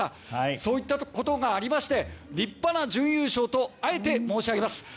そういったことがありまして立派な準優勝とあえて申し上げます。